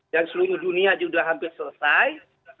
dan seluruh dunia sudah hampir selesai